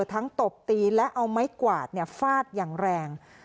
ตบตีและเอาไม้กวาดฟาดอย่างแรง